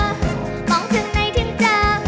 มองถึงในถึงเจอ